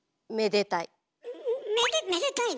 めでめでたいの？